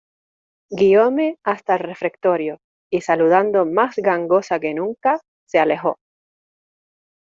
guióme hasta el refectorio, y saludando más gangosa que nunca , se alejó.